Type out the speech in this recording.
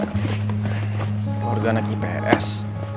keluarga anak ips